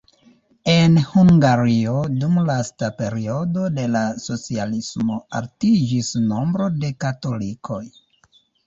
En Hungario dum lasta periodo de la socialismo altiĝis nombro de katolikoj.